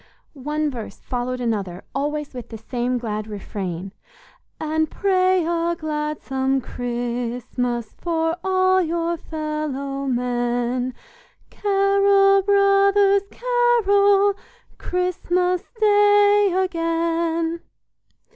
One verse followed another always with the same glad refrain: "And pray a gladsome Christmas For all your fellow men: Carol, brothers, carol, Christmas Day again."